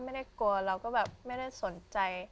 ไม่ได้กลัวเราก็แบบไม่ได้สนใจ